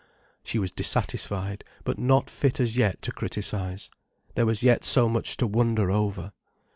She was dissatisfied, but not fit as yet to criticize. There was yet so much to wonder over.